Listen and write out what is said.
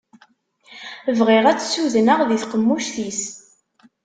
Bɣiɣ ad tt-sudneɣ di tqemmuct-is.